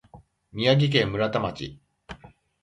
宮城県村田町